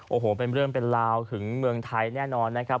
โอ้โหเป็นเรื่องเป็นราวถึงเมืองไทยแน่นอนนะครับ